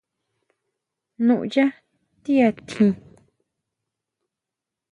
¿Nuyá tiʼatji?